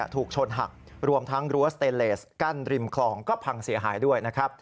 ถูกชนหักรวมทั้งรั้วสเตเลสกั้นริมคลองก็พังเสียหายด้วยนะครับ